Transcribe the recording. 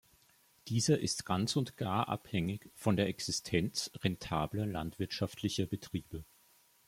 Dieser ist ganz und gar abhängig von der Existenz rentabler landwirtschaftlicher Betriebe.